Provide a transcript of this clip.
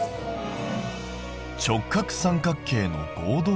「直角三角形の合同条件」。